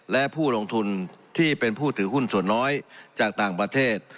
และผู้ลงทุนที่เป็นผู้ถือหุ้นส่วนน้อยจากต่างประเทศ